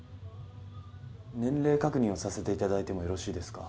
年齢確認をさせていただいてもよろしいですか。